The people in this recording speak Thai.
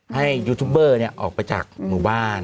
ให้ยูทูบเบอร์ออกไปจากหมู่บ้าน